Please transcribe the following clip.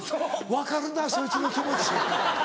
分かるなそいつの気持ち。